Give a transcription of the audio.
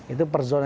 itu per zona